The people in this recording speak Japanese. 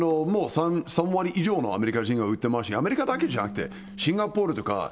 もう３割以上のアメリカ人は打ってますし、アメリカだけじゃなくて、シンガポールとか。